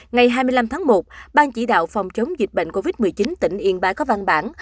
ngày hai mươi năm tháng một ban chỉ đạo phòng chống dịch bệnh covid một mươi chín tỉnh yên bái có văn bản